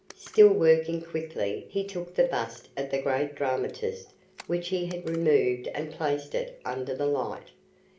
Still working quickly, he took the bust of the great dramatist which he had removed and placed it under the light.